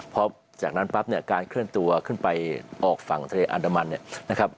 พอจากนั้นปั๊บเนี่ยการเคลื่อนตัวขึ้นไปออกฝั่งทะเลอันดามันเนี่ยนะครับ